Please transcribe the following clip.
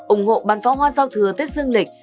ủng hộ băn phó hoa giao thừa tết dân lịch